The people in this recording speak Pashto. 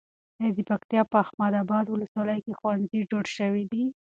ایا د پکتیا په احمد اباد ولسوالۍ کې ښوونځي جوړ شوي دي؟